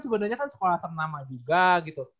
sebenarnya kan sekolah ternama juga gitu